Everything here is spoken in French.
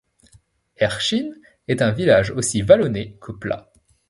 Erchin est un village aussi vallonné que plat.